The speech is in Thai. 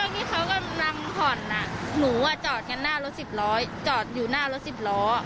ที่เขากำลังผ่อนหนูจอดอยู่หน้ารถ๑๐ล้อ